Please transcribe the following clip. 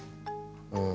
うん。